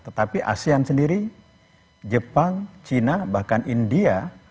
tetapi asean sendiri jepang china bahkan india